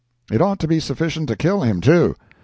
It ought to be sufficient to kill him, too.